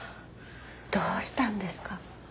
どうしたんですか？